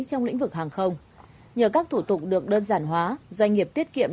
trong lĩnh vực hàng không nhờ các thủ tục được đơn giản hóa doanh nghiệp tiết kiệm